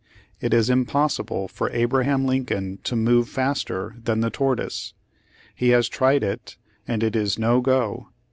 It is impossible for Abraham Lincoln to move faster than the tortoise; he hasi tried it and it is 'no go.'